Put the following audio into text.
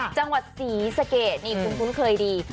จังหวัดศรีสะเกดนี่คุณคุ้นเคยดี